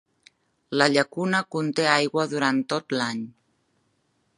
La llacuna conté aigua durant tot l'any.